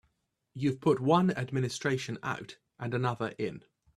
You've put one administration out and another in.